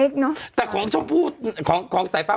เด็กเฟสน่ารัก